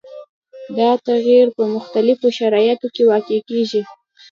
دا تغیر په مختلفو شرایطو کې واقع کیږي.